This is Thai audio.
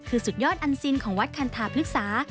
คือสุดยอดอันซินของวัดคันธาพฤกษา